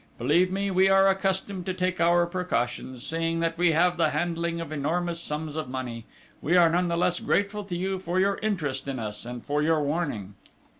Believe me, we are accustomed to take our precautions, seeing that we have the handling of enormous sums of money. We are none the less grateful to you for your interest in us, and for your warning."